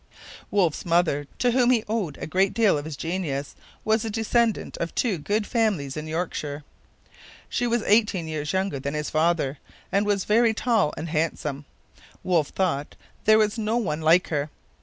Wolfe's mother, to whom he owed a great deal of his genius; was a descendant of two good families in Yorkshire. She was eighteen years younger than his father, and was very tall and handsome. Wolfe thought there was no one like her.